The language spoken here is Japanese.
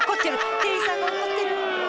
店員さんが怒ってる。